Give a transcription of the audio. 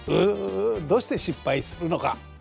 どうして失敗するのか。